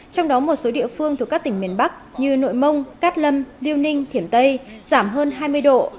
trong đó một số địa phương thuộc các tỉnh miền bắc như nội mông cát lâm liêu ninh thiểm tây giảm hơn hai mươi độ